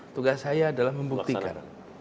tugas saya adalah membuktikan